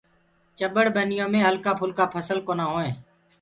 چٻڙ ڀنيو مي هلڪآ گلڪآ ڦسل ڪونآ هوئينٚ۔